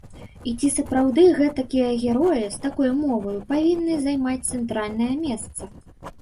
І ці сапраўды гэтакія героі, з такою моваю, павінны займаць цэнтральнае месца?